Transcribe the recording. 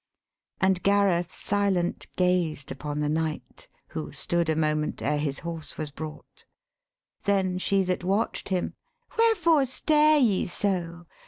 And Gareth silent gazed upon the knight, Who stood a moment, ere his horse was brought. Then she that watch'd him, 'Wherefore stare ye so?